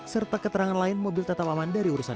serta keterangan lain mobil tetap aman dari urusan